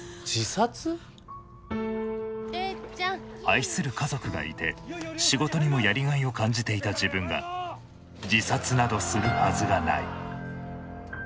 愛する家族がいて仕事にもやりがいを感じていた自分が自殺などするはずがない。